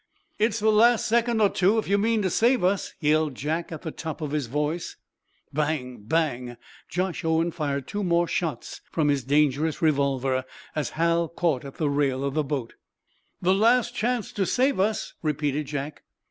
"It's the last second or two, if you mean to save us!" yelled Jack, at the top of his voice. Bang! bang! Josh Owen fired two more shots from his dangerous automatic revolver as Hal caught at the rail of the boat. "The last chance to save us!" repeated Jack.